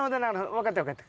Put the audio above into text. わかったわかった。